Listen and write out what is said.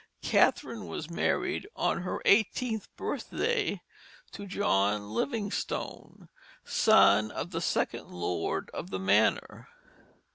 Catherine was married on her eighteenth birthday to John Livingstone, son of the second lord of the manor.